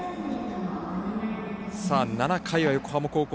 ７回は横浜高校